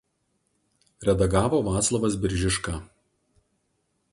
Redagavo Vaclovas Biržiška.